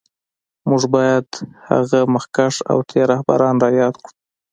موږ باید هغه مخکښ او تېر رهبران را یاد کړو